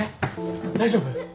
大丈夫？